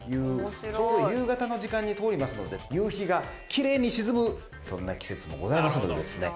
ちょうど夕方の時間に通りますので夕日がきれいに沈むそんな季節もございましてですね。